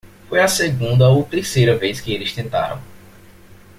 Foi a segunda ou terceira vez que eles tentaram.